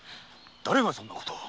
だれがそんなことを？